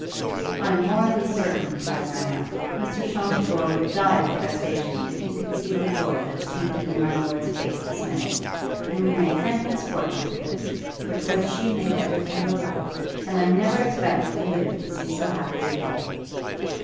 "I'm morally certain," cried Marriott, "Mr. Champfort would die with vexation, if he could see the joy that's painted in my lord's face this minute. And we may thank Miss Portman for this, for 'twas she made every thing go right, and I never expected to live to see so happy a day."